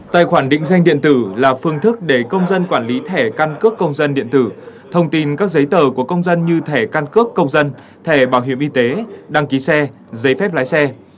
tài khoản định danh điện tử là phương thức để công dân quản lý thẻ căn cước công dân điện tử thông tin các giấy tờ của công dân như thẻ căn cước công dân thẻ bảo hiểm y tế đăng ký xe giấy phép lái xe